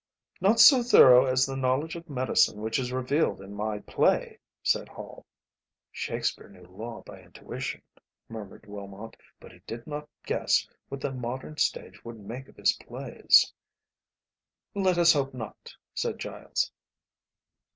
"Not so thorough as the knowledge of medicine which is revealed in my play," said Hall. "Shakespeare knew law by intuition," murmured Willmott, "but he did not guess what the modern stage would make of his plays." "Let us hope not," said Giles.